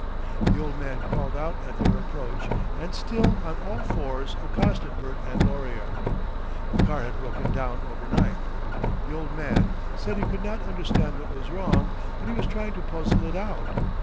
The old man crawled out at their approach and still on all fours accosted Bert and Laurier. The car had broken down overnight. The old man, said he could not understand what was wrong, but he was trying to puzzle it out.